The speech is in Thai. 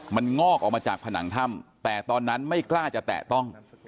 มันงอกออกมาจากผนังถ้ำแต่ตอนนั้นไม่กล้าจะแตะต้อง